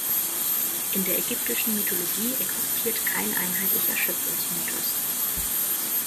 In der ägyptischen Mythologie existiert kein einheitlicher Schöpfungsmythos.